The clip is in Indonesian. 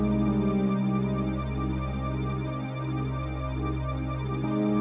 ibu tidak bisa menangkap suami ibu